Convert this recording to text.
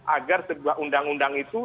agar sebuah undang undang itu